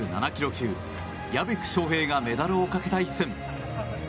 級屋比久翔平がメダルをかけた一戦。